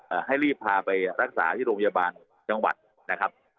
ให้รีบพาไปรักษาที่โรงพยาบาลจังหวัดนะครับ